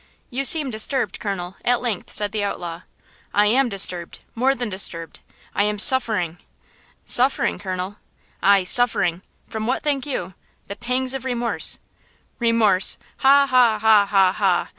"You seem disturbed, colonel," at length said the outlaw. "I am disturbed–more than disturbed! I am suffering!" "Suffering, colonel?" "Aye, suffering! From what think you? The pangs of remorse!" "Remorse! Ha, ha, ha, ha, ha!"